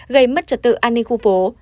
gây mất trật tự an ninh khu phố